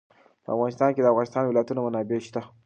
په افغانستان کې د د افغانستان ولايتونه منابع شته.